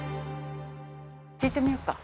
聞いてみようか。